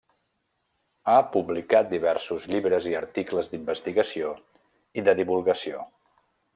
Ha publicat diversos llibres i articles d'investigació i de divulgació.